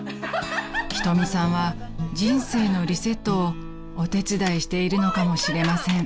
［瞳さんは人生のリセットをお手伝いしているのかもしれません］